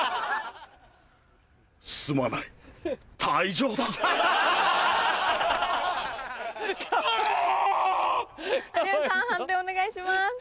判定お願いします。